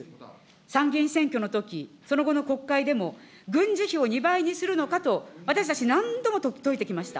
参議院選挙のとき、その後の国会でも、軍事費を２倍にするのかと、私たち、何度もといてきました。